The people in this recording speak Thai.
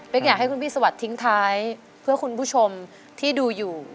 อยากให้คุณพี่สวัสดิ์ทิ้งท้ายเพื่อคุณผู้ชมที่ดูอยู่